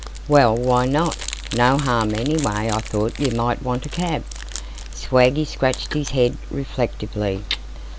"Well, why not? No harm, anyway I thought you might want a cab." Swaggy scratched his head, reflectively.